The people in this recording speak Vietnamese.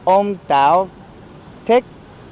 ông táo thích